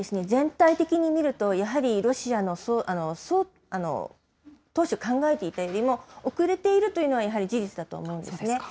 全体的に見ると、やはりロシアの当初考えていたよりも、遅れているというのはやはり事実だと思うんですね。